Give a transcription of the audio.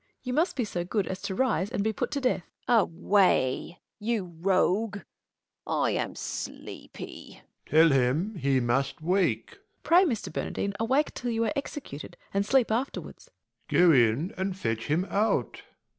you must be so good As to rise, and be put to death. Bern. Away you rogue ! I am sleepy, Prov. Tell him he must wake. Fool. Pray, Mr Bernardine awake till you Are executed and sleep afterwards. Prov. Go in, and fetch him out.